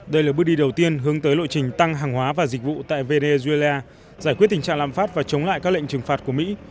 đây là bước đi đầu tiên hướng tới lộ trình tăng hàng hóa và dịch vụ tại venezuela giải quyết tình trạng lạm phát và chống lại các lệnh trừng phạt của mỹ